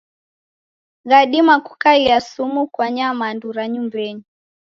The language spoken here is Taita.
Ghadima kukaia sumu kwa nyamandu ra nyumbenyi.